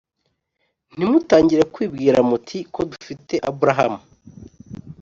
ntimutangire kwibwira muti ko dufite aburahamu